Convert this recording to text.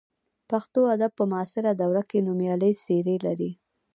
پښتو ادب په معاصره دوره کې نومیالۍ څېرې لري.